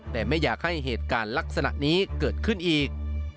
แต่ไม่อยากให้เหตุการณ์ลักษณะนี้เกิดขึ้นอีก